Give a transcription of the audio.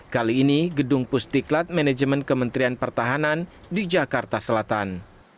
kali ini gedung pusdiklat manajemen kementerian pertahanan di jakarta selatan